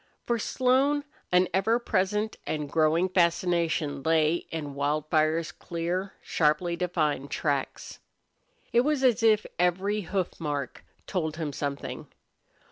For Slone an ever present and growing fascination lay in Wildfire's clear, sharply defined tracks. It was as if every hoof mark told him something.